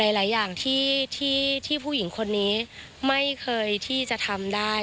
หลายอย่างที่ผู้หญิงคนนี้ไม่เคยที่จะทำได้